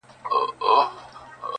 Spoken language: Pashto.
دا د حمزه هنري شعور دی